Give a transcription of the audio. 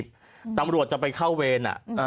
บิรุณป่ะตำรวจจะไปเข้าเวร